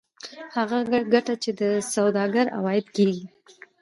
هغه ګټه چې د سوداګر عواید کېږي